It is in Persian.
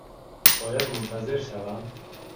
باید منتظر شوم؟